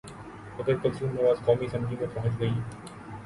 اگر کلثوم نواز قومی اسمبلی میں پہنچ گئیں۔